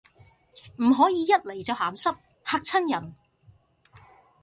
唔可以一嚟就鹹濕，嚇親人